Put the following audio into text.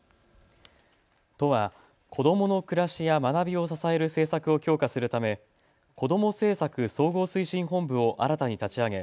都は子どもの暮らしや学びを支える政策を強化するため子供政策総合推進本部を新たに立ち上げ